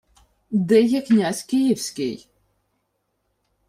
— Де є князь київський?